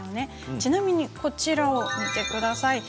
ちなみに、こちらを見てください。